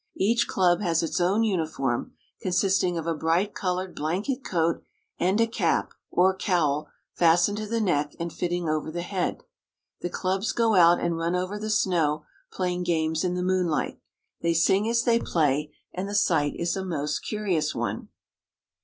Each club has its own uniform, consisting of a bright colored blan ket coat, and a cap, or cowl, fastened to the neck and fitting over the head. The clubs go out and run over the snow, playing games in the moonlight. They sing as they play, and the sight is a most curious one.